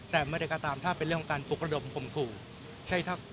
แต่เมื่อการตามถ้าเป็นเรื่องการปลูกกระดมกลมถูก